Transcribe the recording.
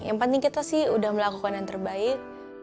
yang penting kita sih udah melakukan yang terbaik